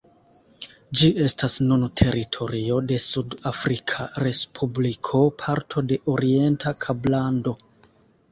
Ĝi estas nun teritorio de Sud-Afrika Respubliko, parto de Orienta Kablando.